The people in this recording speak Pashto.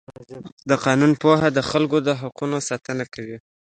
د قانون پوهه د خلکو د حقونو ساتنه کوي.